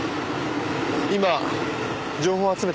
今情報を集めてんだ。